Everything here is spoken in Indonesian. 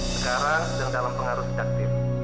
sekarang sedang dalam pengaruh sedaktif